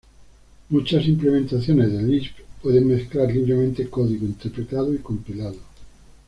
Muchas implementaciones de Lisp pueden mezclar libremente código interpretado y compilado.